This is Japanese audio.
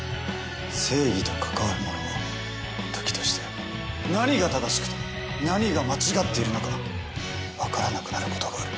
正義と関わる者は時として何が正しくて何が間違っているのか分からなくなることがある。